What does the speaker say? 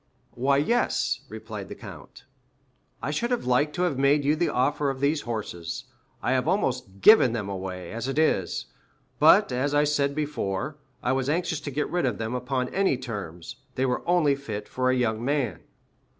"Why, yes," replied the count. "I should have liked to have made you the offer of these horses. I have almost given them away, as it is; but, as I before said, I was anxious to get rid of them upon any terms. They were only fit for a young man."